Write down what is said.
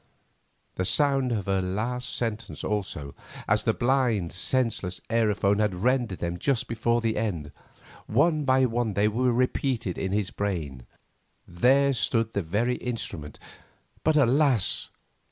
The sound of her last sentences also, as the blind, senseless aerophone had rendered them just before the end, one by one they were repeated in his brain. There stood the very instrument; but, alas!